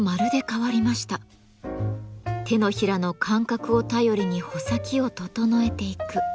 手のひらの感覚を頼りに穂先を整えていく。